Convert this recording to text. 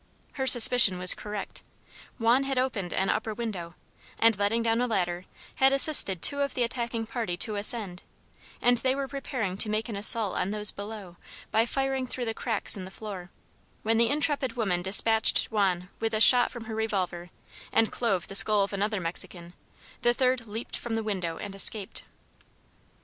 Her suspicion was correct. Juan had opened an upper window, and, letting down a ladder, had assisted two of the attacking party to ascend, and they were preparing to make an assault on those below by firing through the cracks in the floor, when the intrepid woman despatched Juan with a shot from her revolver and clove the skull of another Mexican; the third leaped from the window and escaped.